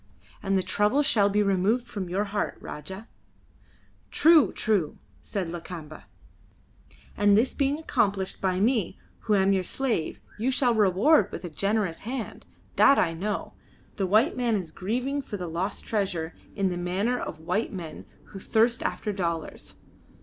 And the trouble shall be removed from your heart, Rajah." "True! true!" said Lakamba. "And, this being accomplished by me who am your slave, you shall reward with a generous hand. That I know! The white man is grieving for the lost treasure, in the manner of white men who thirst after dollars.